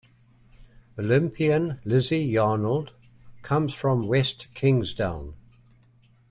Olympian Lizzy Yarnold comes from West Kingsdown.